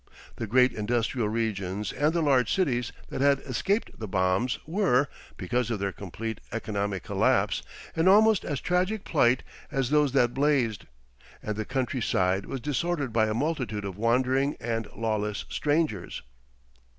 The great industrial regions and the large cities that had escaped the bombs were, because of their complete economic collapse, in almost as tragic plight as those that blazed, and the country side was disordered by a multitude of wandering and lawless strangers.